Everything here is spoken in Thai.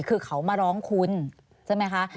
คือเขามาร้องคุณใช่ไหมคะ